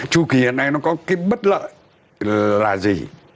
chu kỳ hiện nay nó có cái bất lợi là gì